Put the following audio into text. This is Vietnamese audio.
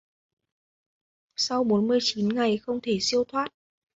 sau bốn mươi chín ngày không thể siêu thoát